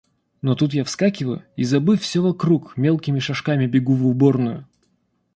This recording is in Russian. Но тут я вскакиваю и, забыв все вокруг, мелкими шажками бегу в уборную.